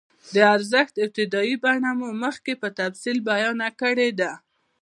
د ارزښت ابتدايي بڼه مو مخکې په تفصیل بیان کړې ده